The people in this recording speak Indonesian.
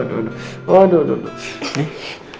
aduh aduh aduh